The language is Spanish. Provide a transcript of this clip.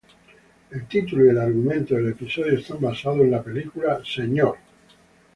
El título y el argumento del episodio están basados en la película "Mr.